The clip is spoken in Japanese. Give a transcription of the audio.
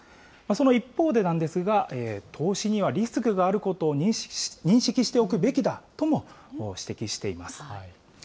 その一方で、投資にはリスクがあることを認識しておくべきだとも指摘しています。